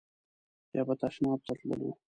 یا به تشناب ته تللو.